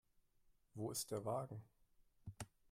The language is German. Wo ist der Wagen?